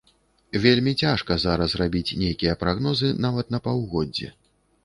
Вельмі цяжка зараз рабіць нейкія прагнозы нават на паўгоддзе.